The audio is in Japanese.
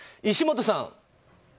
石本さん。